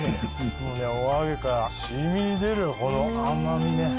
お揚げから染み出るこの甘味ね。